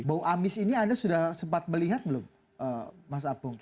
bau amis ini anda sudah sempat melihat belum mas apung